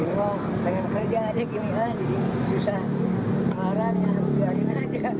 dilarang ya gini aja